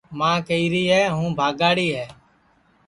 ماں کہیری ہے ہوں بھاگاڑی ہے